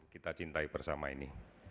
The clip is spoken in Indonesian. kita cintai bersama ini